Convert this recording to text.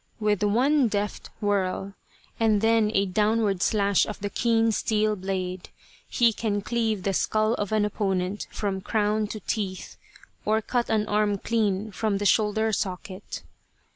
With one deft whirl, and then a downward slash of the keen steel blade he can cleave the skull of an opponent from crown to teeth, or cut an arm clean from the shoulder socket.